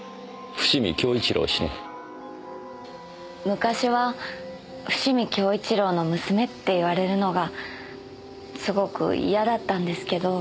昔は伏見享一良の娘って言われるのがすごく嫌だったんですけど。